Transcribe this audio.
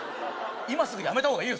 今すぐやめた方がいいよ